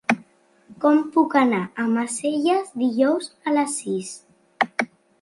Com puc anar a Almacelles dijous a les sis?